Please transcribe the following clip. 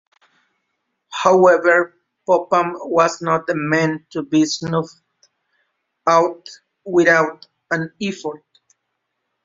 However, Popham was not the man to be snuffed out without an effort.